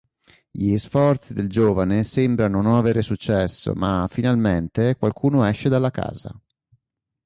Gli sforzi del giovane sembrano non avere successo ma, finalmente, qualcuno esce dalla casa.